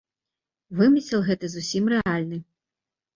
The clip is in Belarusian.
Вымысел гэты зусім рэальны.